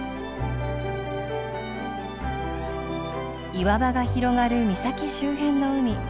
岩場が広がる岬周辺の海。